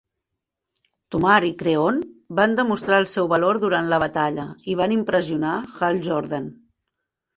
Tomar i Kreon van demostrar el seu valor durant la batalla i van impressionar Hal Jordan.